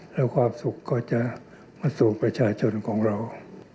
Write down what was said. และความสุขก็จะมาสู่ประชาชนของเรานะครับ